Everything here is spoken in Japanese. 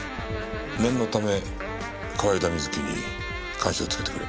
念のため河井田瑞希に監視をつけてくれ。